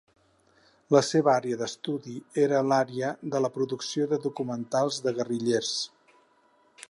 La seva àrea d'estudi era l'àrea de la producció de documentals de guerrillers.